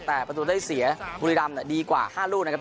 แต่ประตูได้เสียบุรีรำดีกว่า๕ลูกนะครับ